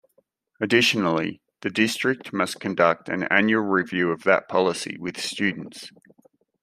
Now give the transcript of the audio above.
Additionally, the District must conduct an annual review of that policy with students.